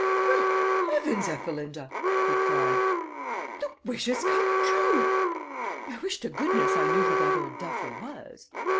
"Great heavens, Ethelinda!" he cried. "The wishes come true! I wish to goodness I knew who that old duffer was."